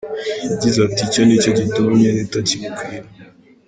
Yagize ati, “Icyo nicyo gituma imyenda itakimukwira”.